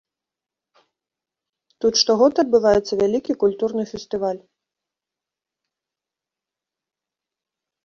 Тут штогод адбываецца вялікі культурны фестываль.